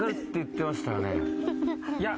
いや。